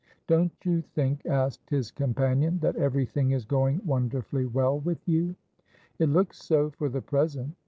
"Don't you think," asked his companion, "that everything is going wonderfully well with you?" "It looks so, for the present."